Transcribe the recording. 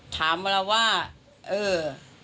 ถามเราว่าเออ